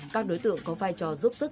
các đối tượng có vai trò giúp sức